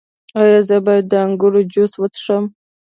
ایا زه باید د انګور جوس وڅښم؟